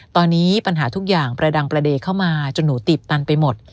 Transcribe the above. ตอนนี้ปัญหาทุกอย่างประดังประเด็นเข้ามาจนหนูตีบตันไปหมด